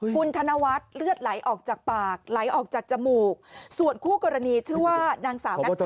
คุณธนวัฒน์เลือดไหลออกจากปากไหลออกจากจมูกส่วนคู่กรณีชื่อว่านางสาวนัชชา